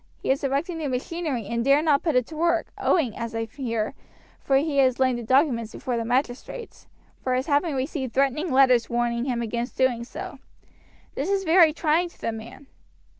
He has erected new machinery and dare not put it to work, owing as I hear for he has lain the documents before the magistrates for his having received threatening letters warning him against doing so. This is very trying to the man.